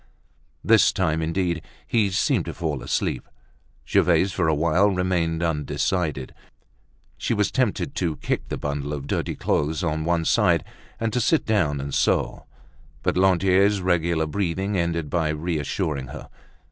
This time indeed, he seemed to fall asleep. Gervaise, for a while, remained undecided. She was tempted to kick the bundle of dirty clothes on one side, and to sit down and sew. But Lantier's regular breathing ended by reassuring her.